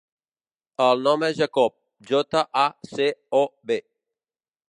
El nom és Jacob: jota, a, ce, o, be.